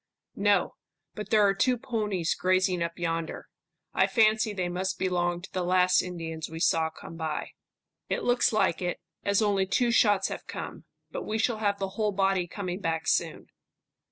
"No, but there are two ponies grazing up yonder. I fancy they must belong to the last Indians we saw come by." "It looks like it, as only two shots have come. But we shall have the whole body coming back soon."